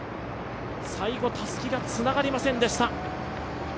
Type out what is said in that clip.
最後、たすきがつながりませんでした。